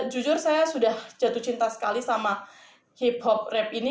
jujur saya sudah jatuh cinta sekali sama hip hop rap ini